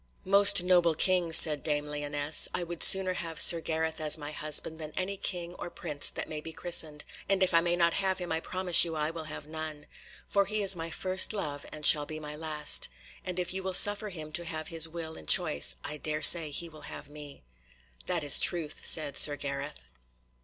"Most noble King," said dame Lyonesse, "I would sooner have Sir Gareth as my husband than any King or Prince that may be christened, and if I may not have him I promise you I will have none. For he is my first love, and shall be my last. And if you will suffer him to have his will and choice, I dare say he will have me." "That is truth," said Sir Gareth.